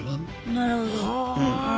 なるほど。